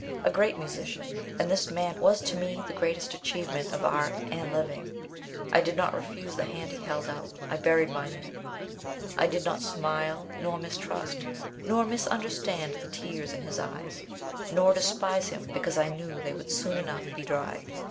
A great musician and this man was one was to me the greatest achievement of Art and Living. I did not refuse the hand he held out. I buried mine in it. I did not smile nor mistrust, nor misunderstand the tears in his eyes, nor despise him because I knew they would soon enough be dry.